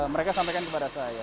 mereka sampaikan kepada saya